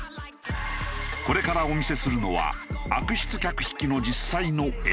これからお見せするのは悪質客引きの実際の映像。